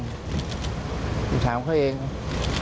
ครับอย่างนี่มันจะทำให้กระบวนการ